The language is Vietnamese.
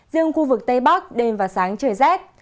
riêng khu vực tây bắc đêm và sáng trời rét